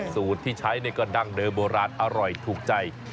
สูตรที่ใช้ก็ดั้งเดิมโบราณอร่อยถูกใจ